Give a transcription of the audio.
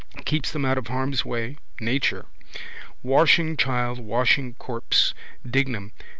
Keeps them out of harm's way. Nature. Washing child, washing corpse. Dignam.